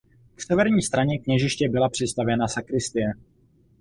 K severní straně kněžiště byla přistavěna sakristie.